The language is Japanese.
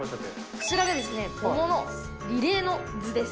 こちらが桃のリレーの図です。